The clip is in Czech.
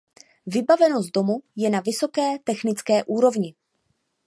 Vybavenost domu je na vysoké technické úrovni.